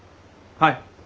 はい。